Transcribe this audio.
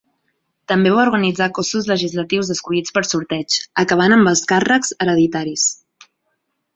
També va organitzar cossos legislatius escollits per sorteig, acabant amb els càrrecs hereditaris.